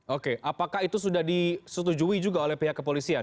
oke apakah itu sudah disetujui juga oleh pihak kepolisian